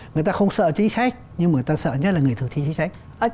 người ta không sợ chính sách nhưng người ta sợ nhất là người thực hiện chính sách